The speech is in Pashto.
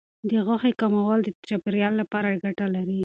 د غوښې کمول د چاپیریال لپاره ګټه لري.